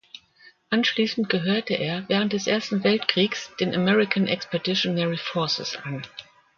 Anschließend gehörte er während des Ersten Weltkriegs den American Expeditionary Forces an.